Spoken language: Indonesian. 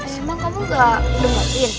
sumpah kamu nggak dengerin